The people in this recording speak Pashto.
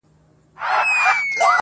o د يوه زيان د بل تکيه!